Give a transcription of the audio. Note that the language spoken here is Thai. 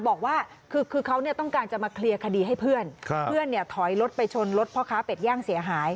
บอกว่าคือเขาเนี่ยต้องการจะมาเคลียร์คดีให้เพื่อนเพื่อนเนี่ยถอยรถไปชนรถพ่อค้าเป็ดย่างเสียหาย